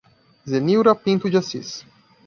Zenilra Pinto de Assis